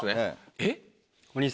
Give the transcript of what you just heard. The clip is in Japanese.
えっ。